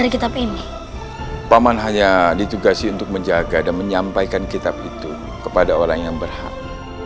paman hanya ditugasi untuk menjaga dan menyampaikan kitab itu kepada orang yang berhak